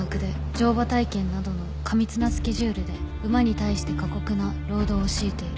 「乗馬体験などの過密なスケジュールで馬に対して過酷な労働を強いている」